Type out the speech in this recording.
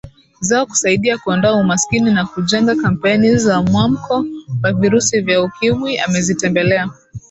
zao kusaidia kuondoa umaskini na kujenga kampeni za mwamko wa Virusi Vya Ukimwi Amezitembelea